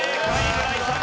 村井さん